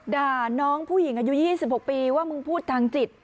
ด่าน้องผู้หญิงอายุ๒๖ปีว่ามึงพูดทางจิต